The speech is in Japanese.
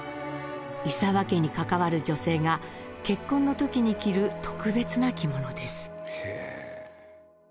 伊澤家に関わる女性が結婚の時に着る特別な着物です。